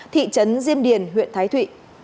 thị trấn diêm điền huyện thái thụy